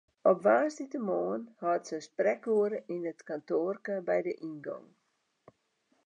Op woansdeitemoarn hâldt se sprekoere yn it kantoarke by de yngong.